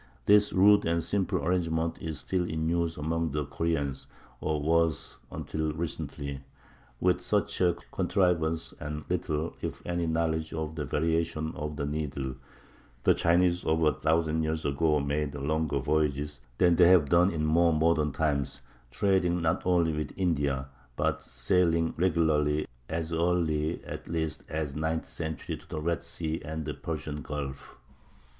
This rude and simple arrangement is still in use among the Koreans—or was until recently. With such a contrivance and little, it any, knowledge of the variation of the needle, the Chinese of a thousand years ago made longer voyages than they have done in more modern times, trading not only with India, but sailing regularly as early at least as the ninth century to the Red Sea and the Persian Gulf.